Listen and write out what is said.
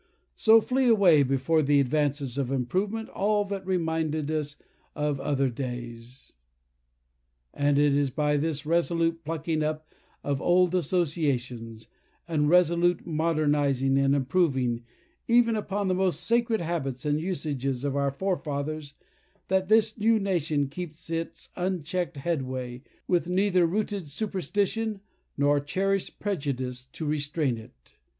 So flee away before the advances of improvement all that reminded us of other days; and it is by this resolute plucking up of old associations, and resolute modernizing and improving, even upon the most sacred habits and usages of our forefathers, that this new nation keeps its unchecked headway, with neither rooted superstition nor cherished prejudice to restrain it.